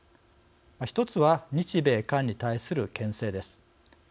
ひとつは日米韓に対するけん制です。